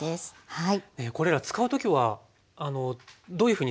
はい。